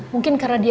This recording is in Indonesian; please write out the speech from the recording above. mungkin karena dia